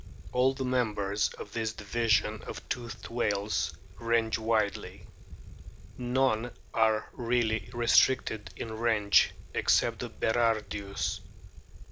All the members of this division of the toothed whales range widely. None are really restricted in range, except the Berardius.